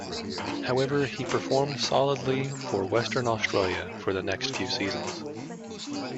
However, he performed solidly for Western Australia for the next few seasons.